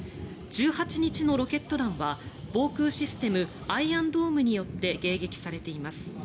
１８日のロケット弾は防空システムアイアンドームによって迎撃されています。